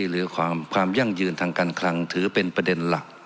หรือความยั่งยืนทางการคลังถือเป็นประเด็นหลัก